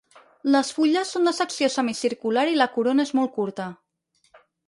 Les fulles són de secció semicircular i la corona és molt curta.